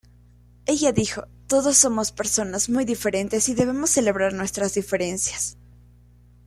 Ella dijo: "Todos somos personas muy diferentes y debemos celebrar nuestras diferencias.